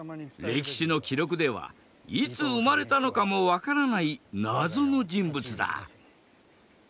歴史の記録ではいつ生まれたのかも分からない謎の人物だ。